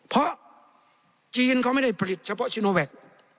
เพราะจีนเขาไม่ได้ผลิตเฉพาะชิโนแวค